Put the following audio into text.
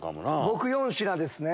僕４品ですね。